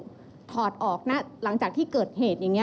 เรามีการปิดบันทึกจับกลุ่มเขาหรือหลังเกิดเหตุแล้วเนี่ย